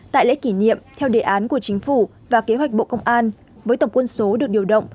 tại lễ kỷ niệm theo đề án của chính phủ và kế hoạch bộ công an với tổng quân số được điều động